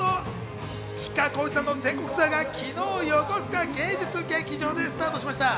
吉川晃司さんの全国ツアーが昨日、よこすか芸術劇場でスタートしました。